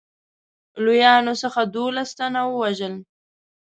لویانو څخه دوولس تنه ووژل.